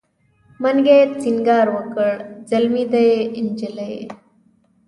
منګي سینګار وکړ زلمی دی نجلۍ